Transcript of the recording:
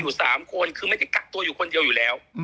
๓คนคือไม่ได้กักตัวอยู่คนเดียวอยู่แล้ว